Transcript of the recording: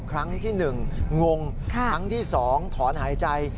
ครั้งที่หนึ่งงงครั้งที่สองถอนหายใจ